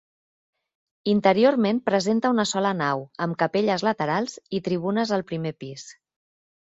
Interiorment presenta una sola nau amb capelles laterals i tribunes al primer pis.